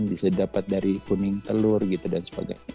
bisa didapat dari kuning telur gitu dan sebagainya